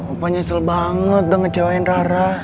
opa nyesel banget dah ngecewain rara